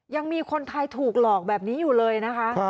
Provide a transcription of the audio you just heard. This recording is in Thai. ยังมีคนไทยถูกหลอกแบบนี้อยู่เลยนะคะ